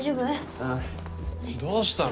ああどうしたの？